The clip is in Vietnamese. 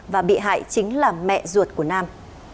và bị hại chính là mẹ ruột của nam